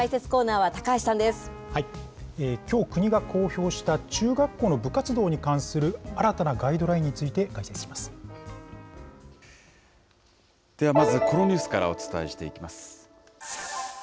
きょう、国が公表した中学校の部活動に関する新たなガイドラインについてではまずこのニュースからお伝えしていきます。